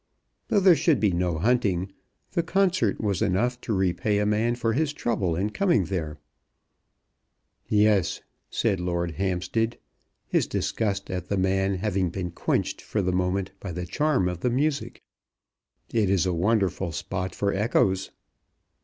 Though there should be no hunting, the concert was enough to repay a man for his trouble in coming there. "Yes," said Lord Hampstead, his disgust at the man having been quenched for the moment by the charm of the music, "it is a wonderful spot for echoes."